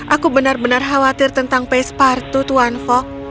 aku benar benar khawatir tentang pespartu tuan fok